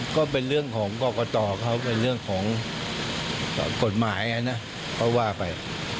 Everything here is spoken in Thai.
ก็เป็นเรื่องของกรกตเขาเป็นเรื่องของกฎหมายนะเขาว่าไป